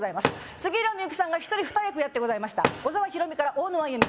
杉浦幸さんが一人二役やってございました小沢裕美から大沼ユミ